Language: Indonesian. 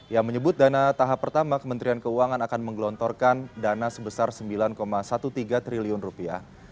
yang menyebut dana tahap pertama kementerian keuangan akan menggelontorkan dana sebesar sembilan tiga belas triliun rupiah